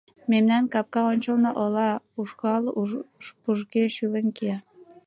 Мемнан капка ончылно ола ушкал пужге шӱлен кия.